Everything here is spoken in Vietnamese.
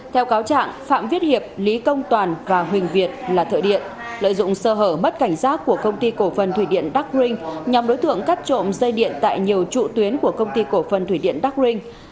theo cáo trạng phạm viết hiệp lý công toàn và huỳnh việt là thở điện lợi dụng sơ hở mất cảnh giác của công ty cổ phân thủy điện darkring nhóm đối tượng cắt trộm dây điện tại nhiều trụ tuyến của công ty cổ phân thủy điện darkring